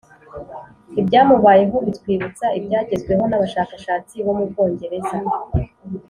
Ibyamubayeho bitwibutsa ibyagezweho n abashakashatsi bo mu Bwongereza